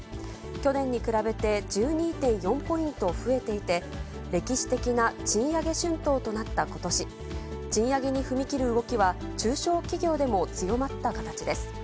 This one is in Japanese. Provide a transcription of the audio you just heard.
去年に比べて１２．４ポイント増えていて、歴史的な賃上げ春闘となったことし、賃上げに踏み切る動きは中小企業でも強まった形です。